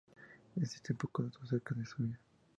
Existen pocos datos acerca de su vida.